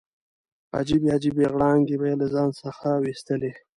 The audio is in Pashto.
عجیبې عجیبې غړانګې به یې له ځان څخه ویستلې.